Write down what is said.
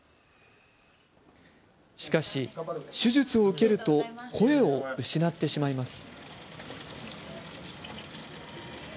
しかし、手術を受けると声を失ってしまいます。